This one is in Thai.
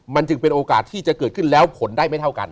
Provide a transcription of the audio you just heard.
มันจึงเป็นโอกาสที่จะเกิดขึ้นแล้วผลได้ไม่เท่ากัน